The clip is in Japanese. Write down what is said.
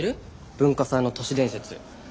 文化祭の都市伝説。